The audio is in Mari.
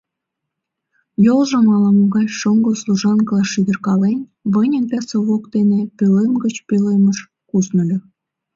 Йолжым ала-могай шоҥго служанкыла шӱдыркален, выньык да совок дене пӧлем гыч пӧлемыш кусныльо.